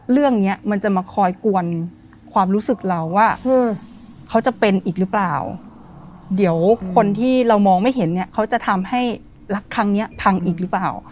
เรื่องเนี้ยมันจะมาคอยกวนความรู้สึกเราว่าเขาจะเป็นอีกหรือเปล่าเดี๋ยวคนที่เรามองไม่เห็นเนี่ยเขาจะทำให้รักครั้งนี้พังอีกหรือเปล่า